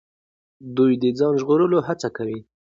دوی د ځان ژغورلو هڅه کوي.